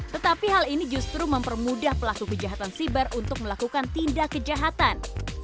tetapi hal ini justru mempermudah pelaku kejahatan siber untuk melakukan tindak kejahatan